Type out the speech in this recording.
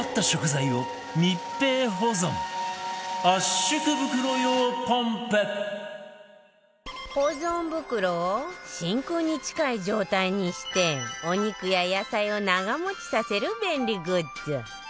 保存袋を真空に近い状態にしてお肉や野菜を長持ちさせる便利グッズ